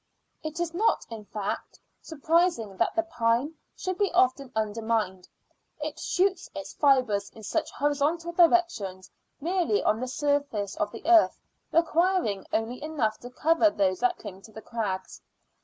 It is not, in fact, surprising that the pine should be often undermined; it shoots its fibres in such a horizontal direction, merely on the surface of the earth, requiring only enough to cover those that cling to the crags.